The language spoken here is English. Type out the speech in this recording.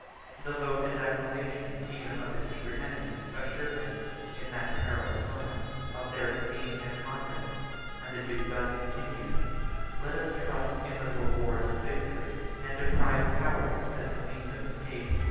The vote and acclamation even of his secret enemies, assured him, in that perilous moment, of their esteem and confidence; and the duke thus continued: "Let us trust in the rewards of victory, and deprive cowardice of the means of escape.